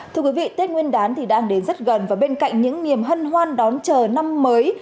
thưa quý vị tết nguyên đán thì đang đến rất gần và bên cạnh những niềm hân hoan đón chờ năm mới